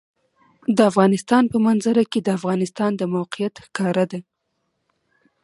د افغانستان په منظره کې د افغانستان د موقعیت ښکاره ده.